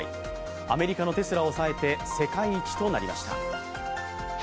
アメリカのテスラを抑えて世界一となりました。